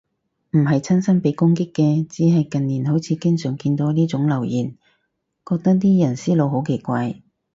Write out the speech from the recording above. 唔係親身被攻擊嘅，只係近年好似經常見到呢種留言，覺得啲人思路好奇怪